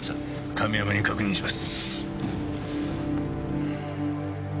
亀山に確認します。